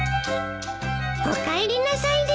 おかえりなさいです。